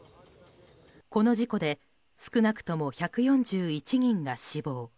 この事故で少なくとも１４１人が死亡。